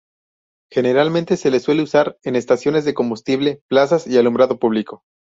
Generalmente se le suele usar en estaciones de combustible, plazas y alumbrado público.